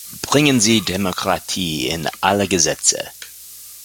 Bringen Sie Demokratie in alle Gesetze!